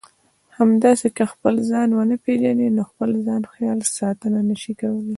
همداسې که خپل ځان ونه پېژنئ نو د خپل ځان خیال ساتنه نشئ کولای.